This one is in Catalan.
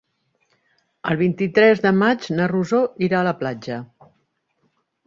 El vint-i-tres de maig na Rosó irà a la platja.